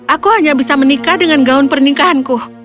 aku hanya bisa menikah dengan gaun pernikahanku